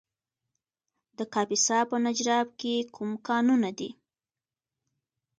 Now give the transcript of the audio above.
د کاپیسا په نجراب کې کوم کانونه دي؟